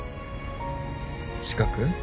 近く？